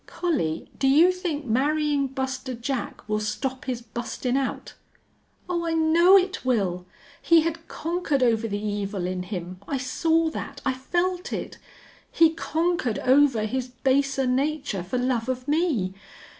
"Collie, do you think marryin' Buster Jack will stop his bustin' out?" "Oh, I know it will. He had conquered over the evil in him. I saw that. I felt it. He conquered over his baser nature for love of me.